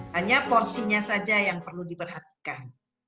hanya porsinya saja yang perlu diperhatikan